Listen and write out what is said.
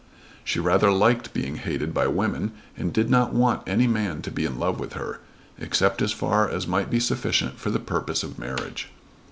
She rather liked being hated by women and did not want any man to be in love with her, except as far as might be sufficient for the purpose of marriage.